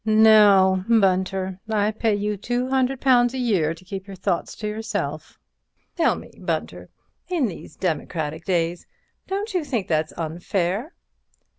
"No, Bunter, I pay you £200 a year to keep your thoughts to yourself. Tell me, Bunter, in these democratic days, don't you think that's unfair?"